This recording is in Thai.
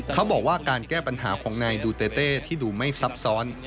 เขาบอกว่าการแก้ปัญหาของในดูเตอร์เตอร์เต้ที่ดูไม่ซับซ้อน